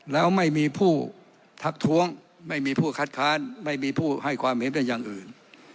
แล้วไม่มีผู้ทักท้วงไม่มีผู้คัดค้านไม่มีผู้ให้ความเห็นเป็นอย่างอื่น